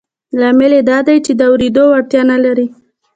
لامل یې دا دی چې د اورېدو وړتیا نه لري